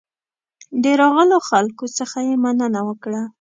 د راغلو خلکو څخه یې مننه وکړه.